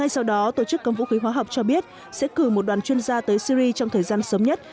sau đó tổ chức cấm vũ khí hóa học cho biết sẽ cử một đoàn chuyên gia tới syri trong thời gian sớm nhất